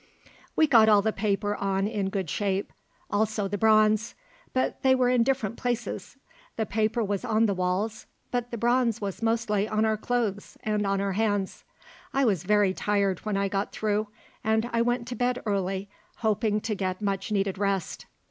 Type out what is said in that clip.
We got all the paper on in good shape also the bronze. But they were in different places. The paper was on the walls, but the bronze was mostly on our clothes and on our hands. I was very tired when I got through, and I went to bed early, hoping to get much needed rest.